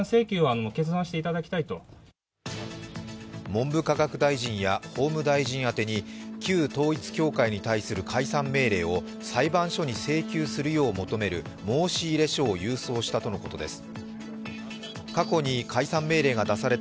文部科学大臣や法務大臣宛てに旧統一教会に対する解散命令を裁判所に請求するよう求める申入書を郵送したということです。